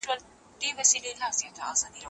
ځان ته بښنه وکړئ او مخکې لاړ شئ.